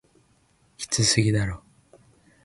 きつすぎだろ